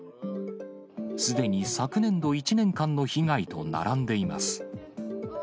すでに昨年度１年間の被害と並んでいます。